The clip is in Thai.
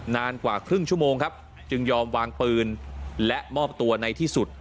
นานกว่าครึ่งชั่วโมงครับจึงยอมวางปืนและมอบตัวในที่สุด